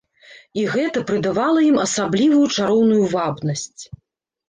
І гэта прыдавала ім асаблівую чароўную вабнасць.